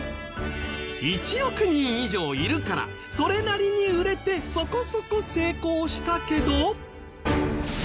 １億人以上いるからそれなりに売れてそこそこ成功したけど